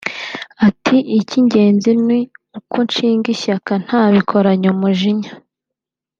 Ati “Icy’ingenzi ni uko (nshinga ishyaka) ntabikoranye umujinya